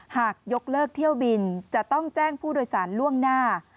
หากยกเลิกเที่ยวบินจะต้องแจ้งผู้โดยสารล่วงหน้า